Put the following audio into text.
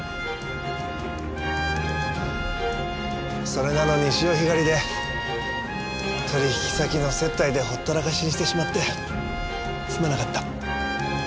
それなのに潮干狩りで取引先の接待でほったらかしにしてしまってすまなかった。